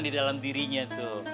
di dalam dirinya tuh